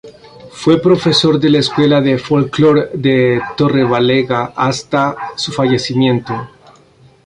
Fue profesor de la Escuela de Folklore de Torrelavega hasta su fallecimiento.